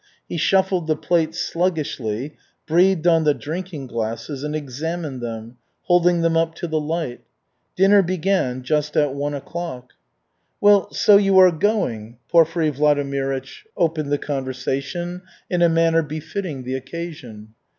He shuffled the plates sluggishly, breathed on the drinking glasses, and examined them, holding them up to the light. Dinner began just at one o'clock. "Well, so you are going," Porfiry Vladimirych opened the conversation, in a manner befitting the occasion.